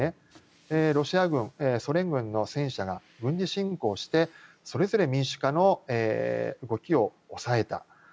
ロシア軍、ソ連軍の戦車が軍事侵攻してそれぞれ民主化の動きを抑えた。